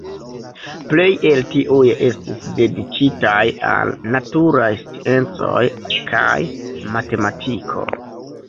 Plej el tiuj estis dediĉitaj al naturaj sciencoj kaj matematiko.